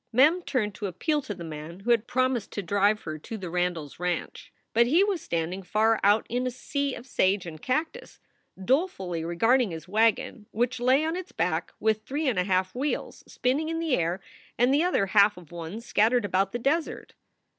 Mem turned to appeal to the man who had promised to drive her to the Randies ranch. But he was standing far out in a sea of sage and cactus, dolefully regarding his wagon, which lay on its back with three and a half wheels spinning in air and the other half of one scattered about> the desert.